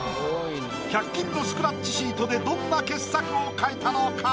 １００均のスクラッチシートでどんな傑作を描いたのか？